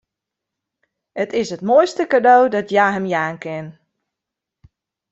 It is it moaiste kado dat hja him jaan kin.